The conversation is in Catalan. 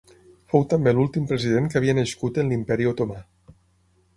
Fou també l'últim president que havia nascut en l'Imperi Otomà.